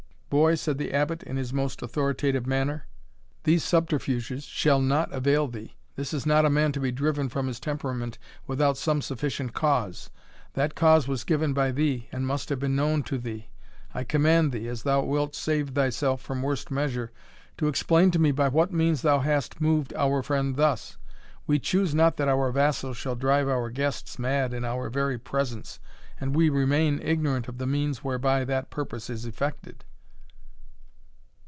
"Boy," said the Abbot, in his most authoritative manner, "these subterfuges shall not avail thee. This is not a man to be driven from his temperament without some sufficient cause. That cause was given by thee, and must have been known to thee. I command thee, as thou wilt save thyself from worse measure, to explain to me by what means thou hast moved our friend thus We choose not that our vassals shall drive our guests mad in our very presence, and we remain ignorant of the means whereby that purpose is effected."